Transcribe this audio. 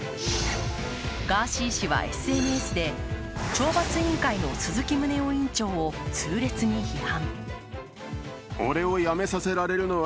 ガーシー氏はＳＮＳで懲罰委員会の鈴木宗男委員長を痛烈に批判。